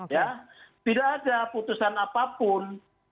ya tidak ada putusan apapun